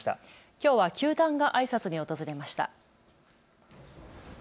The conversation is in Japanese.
きょうは球団があいさつに訪れました。